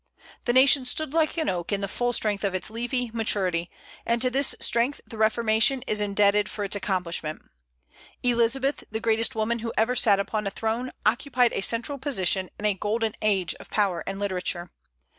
The nation stood like an oak in the full strength of its leafy maturity; and to this strength the Reformation is indebted for its accomplishment. Elizabeth, the greatest woman who ever sat upon a throne, occupied a central position in a golden age of power and literature.